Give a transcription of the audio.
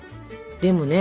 でもね